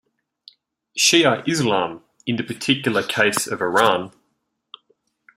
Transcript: Shia Islam in the particular case of Iran.